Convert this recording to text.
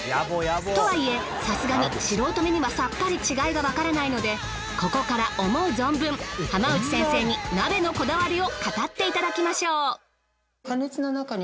とはいえさすがに素人目にはさっぱり違いがわからないのでここから思う存分浜内先生になべのこだわりを語っていただきましょう。